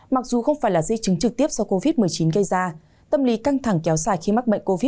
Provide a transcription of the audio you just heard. mặc dù không phải là di chứng trực tiếp do covid một mươi chín gây ra tâm lý căng thẳng kéo dài khi mắc bệnh covid một mươi chín